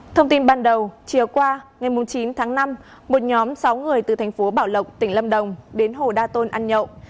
thông tin ban đầu chiều qua ngày chín tháng năm một nhóm sáu người từ thành phố bảo lộc tỉnh lâm đồng đến hồ đa tôn ăn nhậu